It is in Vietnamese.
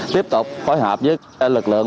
tiếp tục phối hợp với lực lượng